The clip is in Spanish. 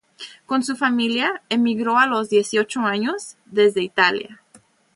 Con su familia, emigró a los dieciocho años, desde Italia.